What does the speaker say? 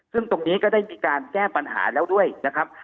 ซึ่งตรงนี้ก็ได้มีการแก้ปัญหาแล้วด้วยนะครับ